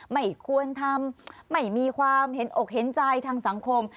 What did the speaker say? ไม่ควรทำไม่มีความเห็นอกเห็นใจทางสังคม